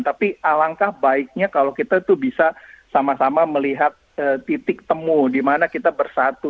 tapi alangkah baiknya kalau kita itu bisa sama sama melihat titik temu dimana kita bersatu